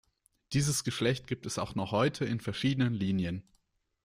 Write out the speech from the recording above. Dieses Geschlecht gibt es auch noch heute in verschiedenen Linien.